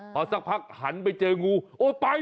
พอสักพักหันไปเจองูโอ้ไป